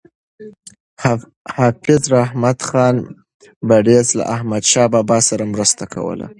حافظ رحمت خان بړیڅ له احمدشاه بابا سره مرسته کوله.